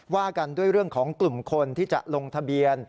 ว่ากันด้วยเรื่องของกลุ่มคนที่จะลงทะเบียน